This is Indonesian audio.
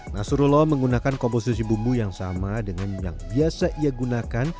nasrullah menggunakan komposisi bumbu yang sama dengan yang biasa ia gunakan